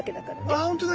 あほんとだ。